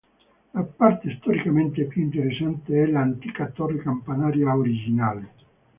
La parte storicamente più interessante è l'antica torre campanaria originale.